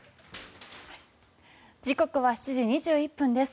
時刻は７時２１分です。